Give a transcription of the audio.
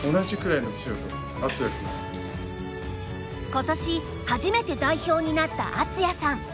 今年初めて代表になった敦也さん。